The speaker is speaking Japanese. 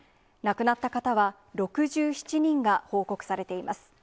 亡くなった方は６７人が報告されています。